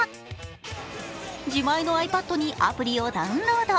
自前のｉＰａｄにアプリをダウンロード。